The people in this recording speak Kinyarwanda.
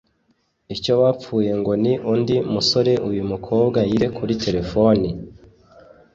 Icyo bapfuye ngo ni undi musore uyu mukobwa yitabye kuri terefoni